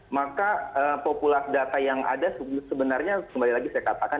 maka populasi data yang ada sebenarnya kembali lagi saya katakan